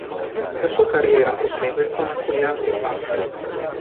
La sua carriera prosegue con alcuni alti e bassi.